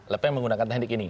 lepeng menggunakan teknik ini